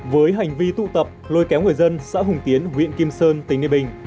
với hành vi thu thập lôi kéo người dân xã hùng tiến huyện kim sơn tỉnh nghệ bình